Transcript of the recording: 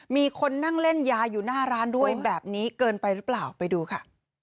มีคนนั่งเล่นยาอยู่หน้าร้านด้วยแบบนี้เกินไปหรือเปล่าไปดูค่ะ